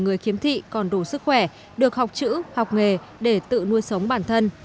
người khiếm thị còn đủ sức khỏe được học chữ học nghề để tự nuôi sống bản thân